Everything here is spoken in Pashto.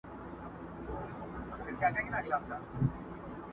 چی په ژوند کی مو لیدلي دي اورونه،